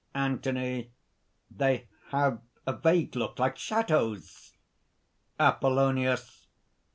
ANTHONY. "They have a vague look, like shadows!" APOLLONIUS.